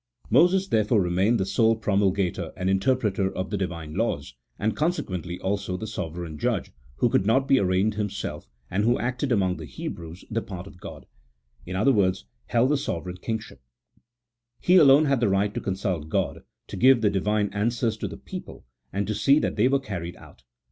Moses, therefore, remained the sole promulgator and interpreter of the Divine laws, and con sequently also the sovereign judge, who could not be ar raigned himself, and who acted among the Hebrews the CHAP. XVII.] OF THE HEBREW THEOCRACY. 221 part of God ; in other words, held the sovereign kingship : he alone had the right to consnlt God, to give the Divine answers to the people, and to see that they were carried out.